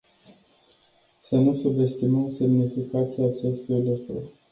Să nu subestimăm semnificația acestui lucru.